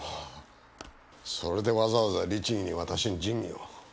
それでわざわざ律儀に私に仁義を？